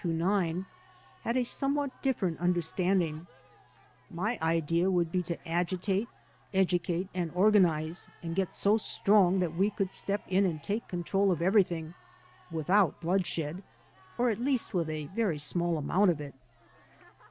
54734/229) had a somewhat diflferent understanding: "My idea would be to agitate, educate and organize and get so strong that we could step in and take control of everything without bloodshed or at least with a very small amount of it."